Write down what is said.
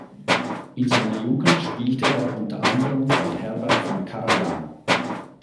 In seiner Jugend spielte er unter anderem bei Herbert von Karajan.